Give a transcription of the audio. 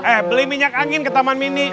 eh beli minyak angin ke taman mini